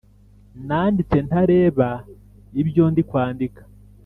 Nanditse ntareba ibyo ndi kwandika